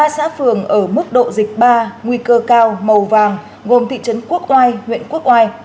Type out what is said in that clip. ba xã phường ở mức độ dịch ba nguy cơ cao màu vàng gồm thị trấn quốc oai huyện quốc oai